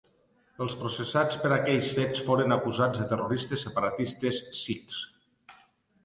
Els processats per aquells fets foren acusats de terroristes separatistes sikhs.